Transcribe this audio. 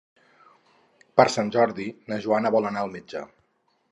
Per Sant Jordi na Joana vol anar al metge.